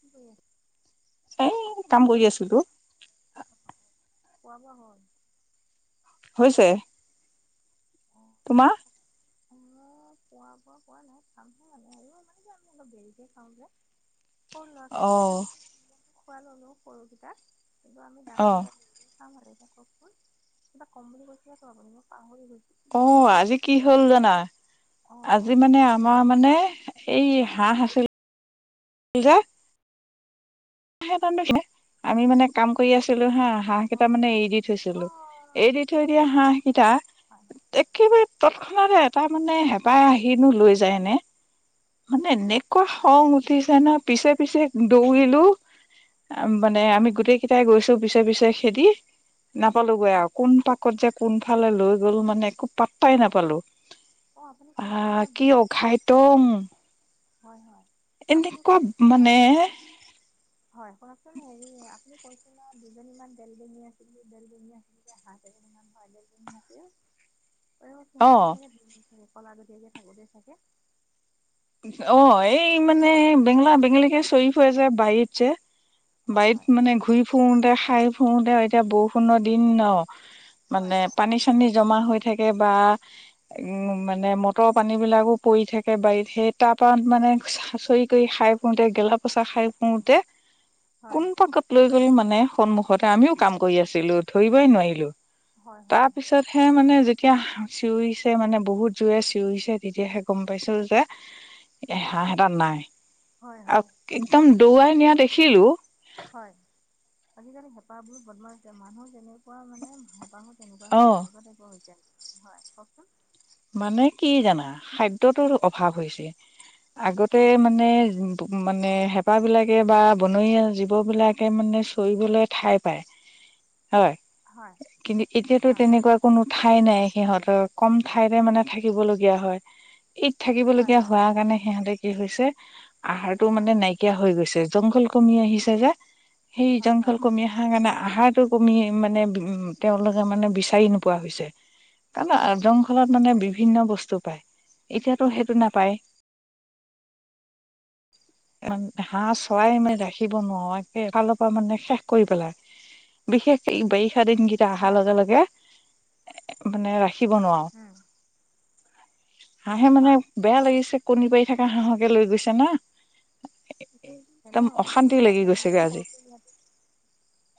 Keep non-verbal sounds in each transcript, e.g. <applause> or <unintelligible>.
কি কৰি আছা এ কাম কৰি আছো তো খোৱা বোৱা হল নিশ্চয় তোমাৰ পোৱা পৰা পোৱা নাই খামহে মানে আৰু মানে যে আমি অলপ দেৰিকে খাওঁ যে সৰু ল'ৰা অ ছোৱালীকেইটা খোৱা ললো সৰুকেইটা কিন্তু আমি অ ডাঙৰকেইটা চাম আৰু এ কওকচোন কিবা কম বুলি কৈছিলো আপুনি মই পাহৰি গলো অ আজি কি হ'ল জানা অ', অ', আজি মানে কওকচোন আমাৰ মানে এই হয়। হাঁহ আছিল কিঘা <unintelligible> স আমি মানে কাম কৰি আছো <unintelligible> কৰিলো হা হাঁহ কেইটা অ', মানে এ এৰি দি থৈছিলোঁ অ', এৰি দি থৈ দিয়া হাঁহ কেইটা হয়, <unintelligible> একেবাৰে তৎক্ষণতে এটা মানে হেঁপাহ আহিনো লৈ যায় নে মানে একোৱা হয়, খং উঠিছে না পিছে পিছে দৌৰিলোঁ মানে আমি হয়। গোটেই কেইটাই গৈছোঁ পিছে পিছে খেদি নাপালোগৈ আৰু কোন পাকত যে কোনফালে লৈ গ'ল মানে একো পাত্তাই নাপালোঁ। অ', আপুনি কৈছিল আহ নহয় কি দুজন অঘাইতং। হয় হয় আপুনি এনেকুৱা কৈছিল নহয় মানে অ হেৰি আপুনি কৈছ ন দুজনীমান বেল বেঙি আছিল বেল বেঙি আছিল সাত এজনীমান হয় বেল বেঙি আছে এই অ সিহঁতকে থাকে ধুন থাকে কলাজতীয়াকে থাকোতে থাকে <unintelligible> অ এই মানে বেঙলা বেঙলীকে চৰি ফুৰে যে বাৰীত যে হয় বাৰীত হয় এনে মানে কণী- ঘূৰি ফুুৰতে খাই ফুৰোতে এতিয়া বৰষুণৰ দিন ন হয় মানে হয় পানী -চানী জমা হৈ থাকে বা উ মানে মটৰ পানীবিলাকো পৰি থাকে বাৰীত সেই তাৰপা মানে চৰি কৰি খাই ফুৰতে গেলা পোচা খাই ফুওতে হয় কোন পাকত লৈ গল মানে সন্মুখতে আমিও কাম কৰি আছিলোঁ ধৰিবই নোৱাৰিলোঁ। হয় হয় হয় তাৰপিছতহে মানে যেতি এতিয়া চিঞৰিছে মানে বহুত জোৰে চিঞৰিছে তেতিয়াহে গম পাইছোঁ যে <unintelligible> এ হাঁ এটা নাই হয় আৰু হয় একদম দৌৰাই নিয়া দেখিলোঁ হয় আজিকালি হেঁপাহ বোৰো বনমাইছে <unintelligible> মানুহ যেনে কোৱা মানে হেঁপাহো তেনেকুৱা অ হৈছে এনেকুৱা টাইপৰ হৈছে ন হয় কওকচোন <unintelligible> মানে কি জানা খাদ্যতো অভাৱ হয় হৈছে আগতে অঁ মানে মানে হেঁপাবিলাকে বা বনৰীয়া জীৱ বিলাকে মানে চৰিবলৈ ঠাই পায় <unintelligible> <inaudible> হয় হয় কিন্তু এতিয়াতো অঁ তেনেকুৱা কোনো ঠাই নাই সিহঁতৰ কম ঠাইতে মানে থাকিব লগীয়া হয় ইত হয় থাকিবলগীয়া হয় হোৱাৰ কাৰণে সিহঁতে কি হৈছে আহাৰটো হয় মানে নাইকিয়া হৈ গৈছে জংঘল কমি আহিছে যে সেই হয় জংঘল হয় ক মহাঙান <unintelligible> আহাৰতটো কমি মানে তেওঁলোকে মানে বিচাৰি নোপোৱা হৈছে হয় কাৰণ। মানে বিভিন্ন বস্তু পায় এতিয়াতো সেইটো নাপায় <inaudible> হাঁহ চৰাই মানে ৰাখিব নোৱাৰোঁ এফালৰ পৰা মানে শেষ কৰি পেলাই বিশেষকে বাৰিষা দিন কেইটা হয় অহাৰ হয় লগে হয় লগে এ মানে ৰাখিব নোৱাৰোঁ উম হাঁহে মানে হয় বেয়া লাগিছে কণী পাৰি থকা হাঁহকে লৈ গৈছে নহ ন একদম গাত লাগি যায় গৈছেগে আজি সৰুক ইহ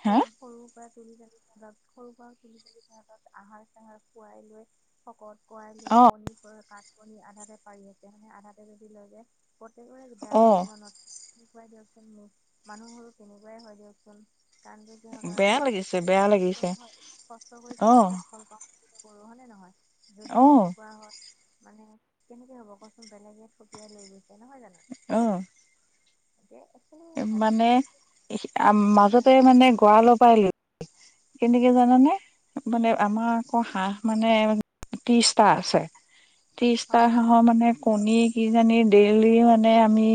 হা সৰু সৰুৰ পৰা তুলি -তানি অল সৰু পৰা তুলি -তালি ঘৰত আহাৰ চাহাৰ খুৱাই লৈ শকত কুৱাই লৈ অ কণী ক কণী আধাতে পাৰি আছে মানে আধাতে যদি লৈ যায় প্ৰত্যেকৰে বেয়া অ লাগিব নত কুৱাই দিয়কচোন নি মানুহবোৰো কেনেকুৱাই হয় দিয়কচোন। কান্দি দিও বেয়া কাৰণে লাগিছে বেয়া ইমান কষ্ট লাগিছে হয় ইমান কষ্ট কৰি অ কিবা এটা ফল পাওঁ পৰহুণে নহয় যদি অ তেনেকুৱা হয়। মানে কেনেকে হ'ব কচোন বেলেগে থপিয়াই লৈ গৈছে নহয় জানো। অ মানে মাজতে মানে গঁৰালৰ পৰাই লো <unintelligible> কেনেকে জানানে? মানে হয় আমাৰ আকৌ হাঁহ। মানে ত্ৰিশটা আছে। ত্ৰিশটা হয় হয় হাঁহ মানে কণী। কিজানি ডেইলি অনে আমি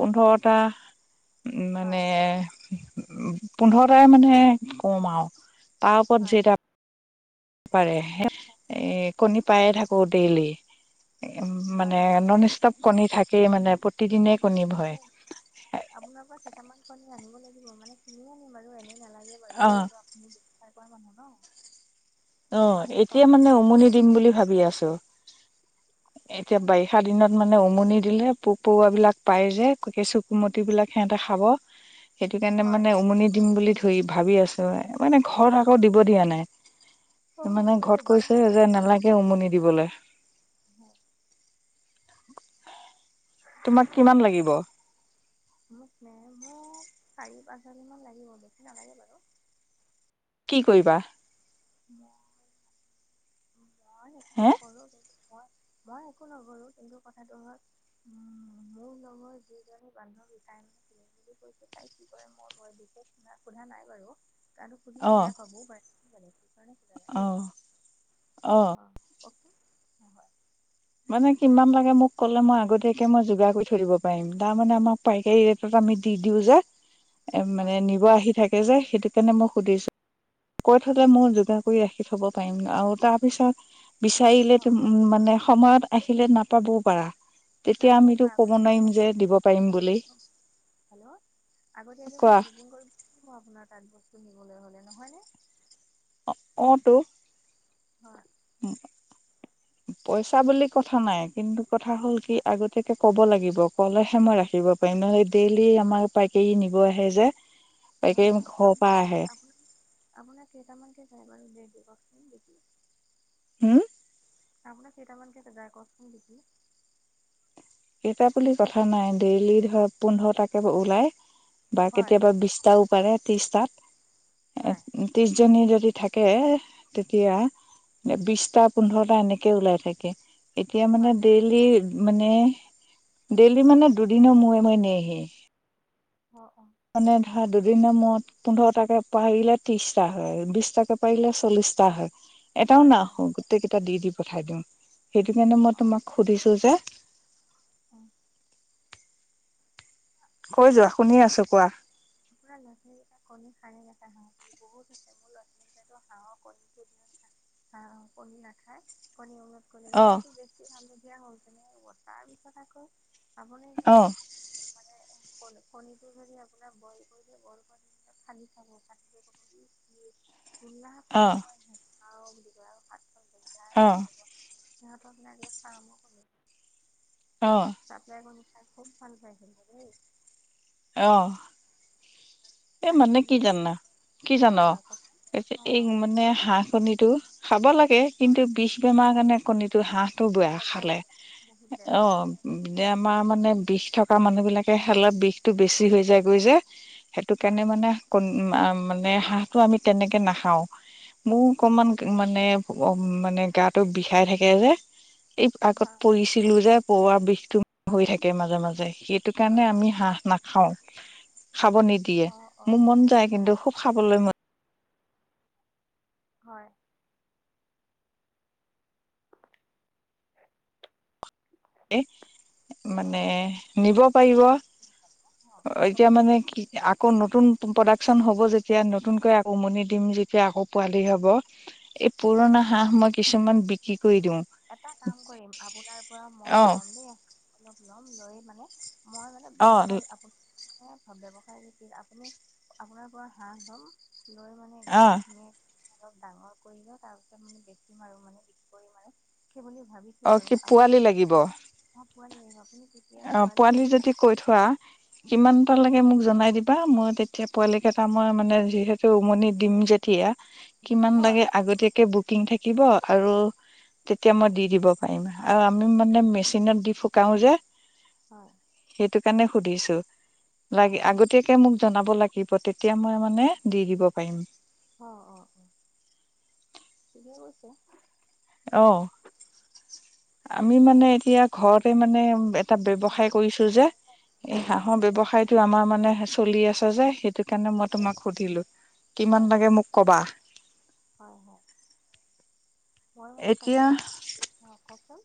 পোন্ধৰটা। উম মানে হয় পোন্ধৰটাহে মানে কম আৱ। তাৰ ওপৰত হয় যেটা। পাৰে। হ এ কণী পায়ে থাকো ডেইলি। এ হয় মানে নন ষ্টপ কণী থাকেই মানে। প্র অ তাকে আপোনাৰ পৰা কেইটামান কণী। জানিব লাগিব মানে। কিনি আনিম বাৰু এনেই নেলাগে বাৰু অ তাতো আপুনি। ই মানুহ ন। অ হয় এতিয়া কওক মানে শুনি উমনি আছোঁ দিম বুলি ভাবি আছো। এতিয়া হয় বাৰিষা দিনত মানে উ। আমনি দিলে পোক পৰুৱা বিলাক পাই যে। কেঁচু কুমতি বিলাক সিহতে খাব। সেইটো কাৰণে হয় মানে উমনি দিম বুলি ধৰি ভাবি আছো। মানে ঘৰত আকৌ দিব দিয়া নাই। অঁ মানে এতিয়া ঘৰত বাৰী কৈছে যে নালাগে উম নি দিবলে। হয়। <unintelligible> তোমাক কিমান লাগিব? মোক নে মোক চাৰি পাঁচ হালি মান লাগিব। বেছি নালাগে বাৰু। কি কৰিবা? মই মই একো হে নকৰো। কিন্তু মই মই একো নকৰো। কিন্তু কথাটো হ'ল উমোৰ লগৰ যিজনী বান্ধৱী। তাই কৈছে। তাই কি কৰে মোৰ বিশেষ সোধা নাই বাৰু। আৰু সুধিলে অ বেয়া পাবও পাৰে কিজানি। অ দেই, অ অঁ অ'কে অ হয়। মানে কিমান লাগে মোক ক'লে মই আগতীয়াকে মই যোগাৰ কৰি থৈ দিব পাৰিম। তাৰ মানে আমাক হয় পাইকাৰী ৰেটত আমি দি দিওঁ যে, এ হয় মানে নিব আহি থাকে। থাকে যে, সেইটো কাৰণে মই সুধিছো। কৈ থৈদে। মোৰ যোগাৰ কৰি ৰাখি থব পাৰিম আৰু তাৰ পিছত। অ বিচাৰিলে অ ত অ মানে সময়ত আহিলে নাপাবও পাৰা। তেতিয়া নাপাব আমিতো পাৰে কব আগতীয়াকৈ নোৱাৰিম যে, দিব পাৰিম বুলি। হেল্ল' আগতীয়াকে বোলো কোৱা বুকিং কৰিব আপোনাক। তাত বস্তু নিবলৈ হ'লে, নহয়নে? অ অ ট। হয়। উম। পইচা বুলি কথা নাই কিন্তু কথা হ'ল কি হয় আগতীয়াকে। ক'ব লাগিব ক'লেহে মই ৰাখিব পাৰিম। নহলে ডেইলি আমাৰ পাইকে ই নিব আহে যে। পাইকাৰী হয় হয়। ঘৰৰ আপোনাৰ পৰা আহে কেলে আপোনাৰ, আপোনাৰ কেইটামানকে যায় বাৰু ডেইলী কক। <unintelligible> হোম। আপোনাৰ কেইটামান কেটা যায় কওকচোন বিকি। বুলি কথা নাই। ডেইলি ধৰ পোন্ধৰটাকে ওলাই বা হয় কেতিয়াবা বিছতাও। চাৰে ত্ৰিছটাত। হয়। জনী যদি থাকে তেতিয়া। বিশটা, পোন্ধৰটা এনেকে ওলাই থাকে। এতিয়া মানে হয় হয় ডেইলি মানে। ডেইলি মানে দুদিনৰ মূৰে মূৰে নিয়েহি। অ অ। মানে ধৰা দুদিনৰ মৰত পোন্ধৰ টাকে পাৰিলে ত্ৰিশটা হয়, বিশটাকে পাৰিলে চল্লিশ। টা হয়। এটাও হয় না হয় আহো গোটেই কেইটা দি দি পঠাই দিওঁ, সেইটো কাৰণে মই অঁ তোমাক সুধিছো যে। অঁ কৈ যোৱা শুনি অক, আছো কোৱা পুৰা লক্ষ্মী কণী পাৰে ইকানে বহুত লক্ষ্মীকেই। টোৰ হাঁহৰ কণী টো, অহ অহ কণী নাখায়, কণী। কলেও অ ৱেষ্টো বেছি হালধীয়া হল হেতেন, তাৰ পিছত আকৌ। আপুনি অ যদি মানে কলে। কণীটো যদি আপোনাৰ বইল কৰিলে বইল কৰি খানদি চাব। কোলা অ কণী মই নেখাও বুলি কয় আও ভাত। অঁ। সিহঁতক লাগে ফ্ৰামৰ কণী, অ চাপ্লাই কণী। খাই খুব ভাল পাইছিল দেই। অঁ। এ তাকে মানে কি বোলো জানা, কি জান হয় হয় কওকচোন অ এই অ মানে হাঁহ কণীটো। খাব লাগে, হয় কিন্তু বিষ বেমাৰ কাৰণে কণীটো হাঁহ। টো বেয়া একদম খালে, বহুত বেয়া অ বহুত বেয়া আমাৰ মানে বিষ। থকা মানুহ বিলাকে অলপ বিষতটো বেছি হৈ যায় গৈ যে সেইটো হয় কাৰণে মানে ক। মানে হাঁহটো আমি তেনেকে নাখাওঁ। মোৰ অকমান মানে মানে গাটো বিষাই থাকে যে, এই আগত হয় পৰিঢ়িছিলো যে, পঢা বিষটো হৈ থাকে। মাজে মাজে হয় সেইটো অ কাৰণে আমি হাঁহ নাখাও, খাব নি। দিয়ে অ অ মোৰ অ মন যায় অ অ কিন্তু খুব অ খাবলৈ মন। হয়। এ অ অ মানে নিব পাৰিব। অ এতিয়া কওকচোন মানে কি আকৌ নতুন। প্ৰডাকচন হ'ব যেতিয়া নতুনকৈ আক উমনি দিম যেতিয়া আকৌ পোৱালি হ'ব, এই হয় পুৰণা হয় হাঁহ মই কিছুমান বিক্ৰী। কৰি দিওঁ এটা কাম কৰিম আপোনাৰ পৰা মই অ ল'ম দেই, অলপ ল'ম লৈ মানে। মই মানে অ ব্যৱসায় আপু। ব্যৱসায় আপুনি, আপোনাৰ পৰাৰত হাঁহ লম। লৈ মানে অ একদম ধুনীয়াক- অলপ ডাঙৰ কৰি ল তাৰপিছত মানে বেছিম আৰু মানে বিক কৰিম আৰু। বুলি ভাবিছো অ কি বাৰু, আপুনি পোৱালি তেতি লাগিব অহ পোৱা হক। অ পোৱালি যদি কৈ থোৱা কিমানটা লেকে মোক জনাই দি। বা মই তেতিয়া পোৱালি কেইটা মই মানে যিহেতু উমনি দিম যেতিয়া, কিমান হয়। লাগে আগতীয়াকে বুকিং থাকিব আৰু তেতিয়া হয় মই দি দিব পাৰিম। আৰু আমি মানে মেচিনত দি ফুকাও যে, হয় সেইটো কাৰণে সুধিছো, লাগ হয় আগতীয়াকে মোক জনাব লাগিব তেতিয়া মই মানে দি দিব পাৰিম। অ অ অ, ঠিকে কৈছে। অ আমি এতিয়া মানে এতিয়া ঘৰতে মানে এটা হয় ব্যৱসায় কৰিছো যে এ গেছ হাঁহৰ হয় ব্যবসায়টো আমাৰ মানে চলি আছে যে সেইটো কাৰণে মই তোমাক সুধিলো, হয় কিমান লাগে মোক কবা। হয় হয় মই মানে এতিয়া তাকেই, অ কওকচোন?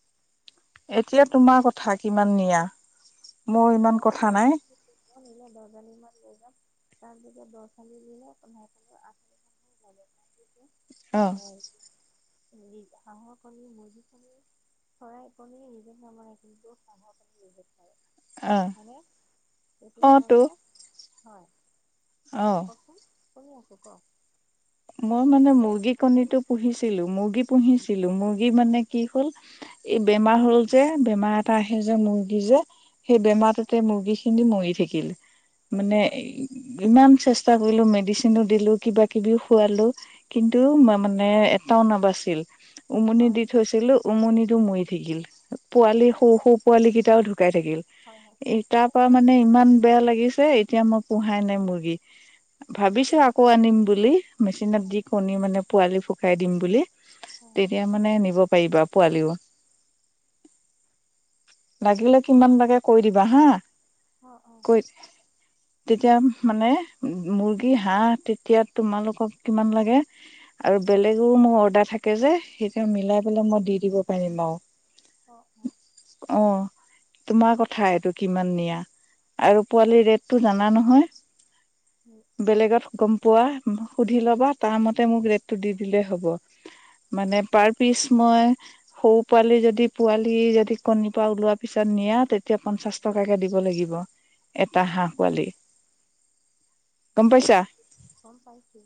এতিয়া তোমাৰ কথা কিমান নিয়া। মোৰ ইমান কথা নাই মই দহজনী মান লৈ থম। তাৰপিছত <unintelligible> অহ। হেৰি হাঁহৰ কণী মুৰ্গীৰ কণী চৰাই কণী নিজে নবনাই কিন্তু হাঁহৰ কণী নিজে পাৰে। অ মানে সেইতু অ তো কাৰণে, হয় অ ককচোন। শুনি আছো ক'ক। মই মানে মুৰ্গী কণীটো পুহিছিলো, মুৰ্গী পুহিছিলো মুৰ্গ গী মানে কি হ'ল এই বেমাৰ হয় হ'ল যে, বেমাৰ আহে যে মুৰ্গীৰ যে, সেই বেমাৰটোতে মুৰ্গী খিনি মৰি থাকিল। মানে হয় ইমান চেষ্টা কৰিলো মেডিচিনো দিলো কিবা কিবিও খোৱালো কিন্তু মানে এটাও নাবাচিল, উমনি হয় দি থৈছিলো উমনিটো মৰি থাকিল, পোৱালি সৰু একচুৱেলি সৰু পোৱালি কেইটাও হয় ঢুকাই থাকিল। হয় হয় এ তাৰ পৰা মানে চব- ইমান বেয়া লাগিছে, এতিয়া মই পোঁহাই নাই মুৰ্গী। ভাবিছো আকৌ আনিম বুলি। মেচিনত দি কণী মানে পোৱালি ফোকাই দিম বুলি। হয় তেতিয়া মানে নিব পাৰিবা পোৱালিও। লাগিলে কিমান লাগে কৈ দিবা হা। অঁ অঁ। কৈ তেতিয়া মানে মুৰ্গী, হাঁহ তেতিয়া তোমালোকক কিমান লাগে আৰু বেলেগৰো মোৰ অৰ্ডাৰ থাকে যে, সেইটো মিলাই পেলাই মই দি দিব পাৰিম অঁ অঁ আৰু। অঁ। তোমাৰ কথা এইটো কিমান নিয়া, আৰু পোৱালি ৰেটটো জানা নহয়? উম, বেলেগত গম পোৱা? সুধি ল'বা তাৰ মতে মোক ৰেটটো দি দিলেই হ'ব। মানে পাৰ পিচ মই সৰু পোৱালি যদি পোৱালি যদি কণীৰ পৰা ওলোৱা পিছত নিয়া তেতিয়া পঞ্চাশ টকাকে দিব লাগিব এটা হাঁহ পোৱালি। <inaudible> গম পাইছা গম পাইছো।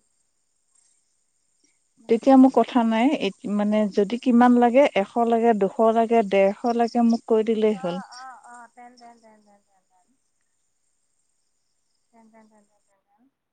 তেতিয়া মোৰ কথা নাই, মানে অঁ যদি কিমান লাগে এশ লাগে, দুশ লাগে, ডেৰশ লগে মোক কৈ দিলেই হ'ল। অঁ অঁ অঁ টেন টেন টেন <unintelligible>